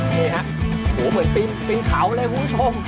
นี่แหละโอ้โหเหมือนปริงเขาเลยครับคุณผู้ชม